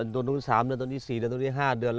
ตรงนี้๓เดือนตรงนี้๔เดือนตรงนี้๕เดือน